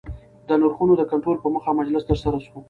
د نرخونو د کنټرول په موخه مجلس ترسره سو